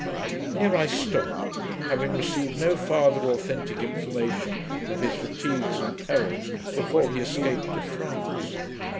Here I stop, having received no farther authentic information of his fatigues and perils before he escaped to France.